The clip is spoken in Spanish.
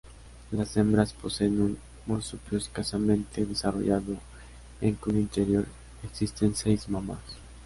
Las hembras poseen un marsupio escasamente desarrollado en cuyo interior existen seis mamas.